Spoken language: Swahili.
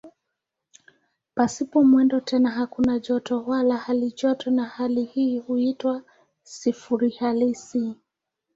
Pasipo mwendo tena hakuna joto wala halijoto na hali hii huitwa "sifuri halisi".